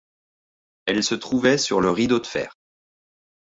Elle se trouvait sur le Rideau de fer.